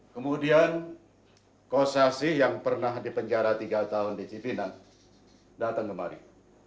kemudian kosasi yang pernah dipenjara tiga tahun di cipinang datang kemari